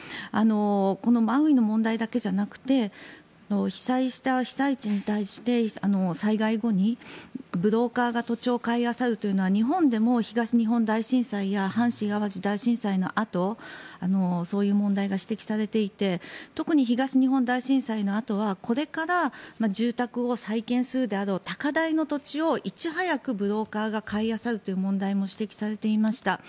このマウイの問題だけじゃなくて被災した被災地に対して災害後にブローカーが土地を買いあさるというのは日本でも東日本大震災や阪神・淡路大震災のあとそういう問題が指摘されていて特に東日本大震災のあとにはこれから住宅を再建するであろう高台の土地をいち早くブローカーが買いあさるという問題も指摘されていました。